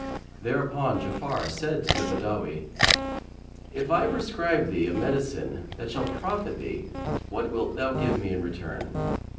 Thereupon Ja'afar said to the Badawi, "If I prescribe thee a medicine that shall profit thee, what wilt thou give me in return?"